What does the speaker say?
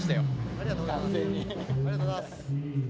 ありがとうございます。